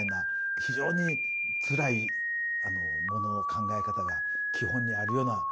非常につらい物の考え方が基本にあるような気がしますですね。